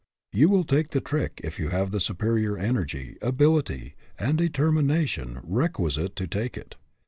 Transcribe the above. You will take the trick if you have the superior energy, ability, and determination requisite to take it.